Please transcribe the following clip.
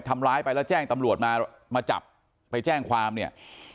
ทำร้ายไปแล้วแจ้งตำรวจมามาจับไปแจ้งความเนี่ย